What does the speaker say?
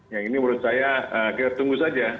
ya ini menurut saya kita tunggu saja